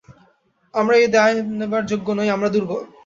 আমরা এ দায় নেবার যোগ্য নই, আমরা দুর্বল।